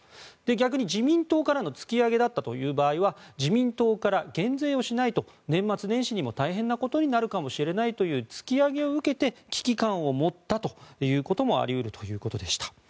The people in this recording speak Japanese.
逆に自民党からの突き上げだったという場合は自民党から減税をしないと年末年始にも大変なことになるかもしれないという突き上げを受けて危機感を持ったということもあり得るということでした。